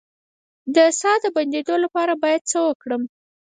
د ساه د بندیدو لپاره باید څه وکړم؟